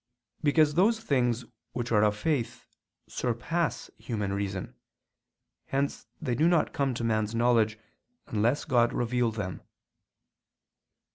Because those things which are of faith surpass human reason, hence they do not come to man's knowledge, unless God reveal them.